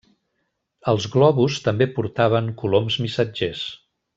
Els globus també portaven coloms missatgers.